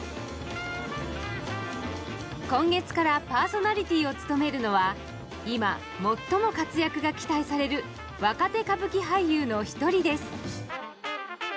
今月からパーソナリティーを務めるのは今、最も活躍が期待される若手歌舞伎俳優の１人です。